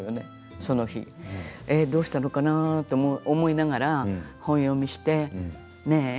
その日どうしたのかなと思いながら本読みしてねえ